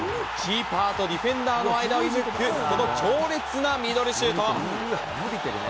キーパーとディフェンダーの間を射抜く、この強烈なミドルシュート。